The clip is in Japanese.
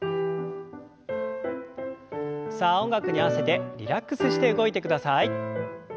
さあ音楽に合わせてリラックスして動いてください。